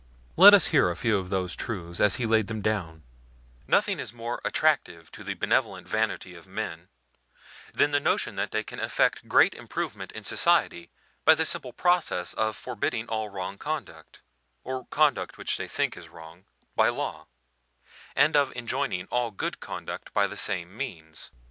Let us hear a few of these truths as he laid them down: Nothing is more attractive to the benevolent vanity of men than the notion that they can effect great improvement in society by the simple process of forbidding all wrong conduct, or conduct which they think is wrong, by law, and of enjoining all good conduct by the same means.